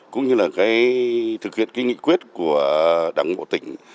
cũng như là cái thực hiện cái nghị quyết của đảng bộ tỉnh